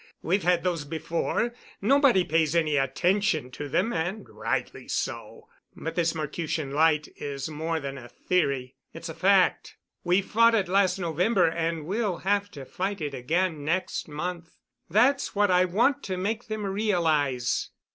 We've had those before nobody pays any attention to them, and rightly so. But this Mercutian Light is more than a theory it's a fact. We fought it last November, and we'll have to fight it again next month. That's what I want to make them realize."